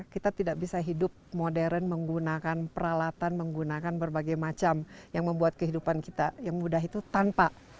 kita tidak bisa hidup modern menggunakan peralatan menggunakan berbagai macam yang membuat kehidupan kita yang mudah itu tanpa